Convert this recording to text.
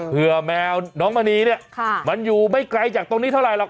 เพื่อแมวน้องมณีเนี่ยมันอยู่ไม่ไกลจากตรงนี้เท่าไหรหรอก